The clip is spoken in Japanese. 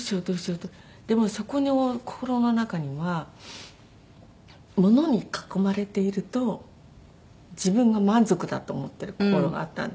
でもそこの心の中には物に囲まれていると自分が満足だと思ってる心があったんですよ。